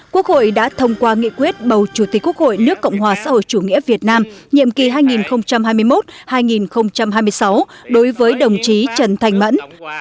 quốc hội đã thông qua nghị quyết bầu chủ tịch quốc hội nước cộng hòa xã hội chủ nghĩa việt nam nhiệm kỳ hai nghìn hai mươi một hai nghìn hai mươi sáu đối với đồng chí trần thanh mẫn